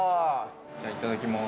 じゃいただきます